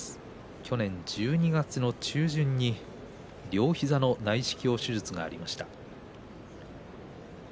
去年１２月の中旬に両膝の内視鏡手術がありました。